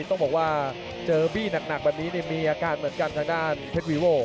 ต้องบอกว่าเจอบี้หนักแบบนี้มีอาการเหมือนกันทางด้านเพชรวีโว